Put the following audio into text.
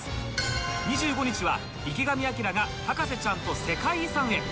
２５日は池上彰が博士ちゃんと世界遺産へ